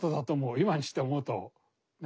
今にして思うとね。